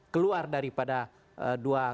keluar daripada dua